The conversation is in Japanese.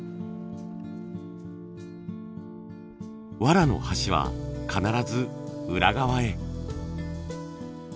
わらの端は必ず裏側へ。